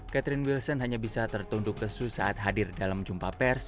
catherine wilson hanya bisa tertunduk lesu saat hadir dalam jumpa pers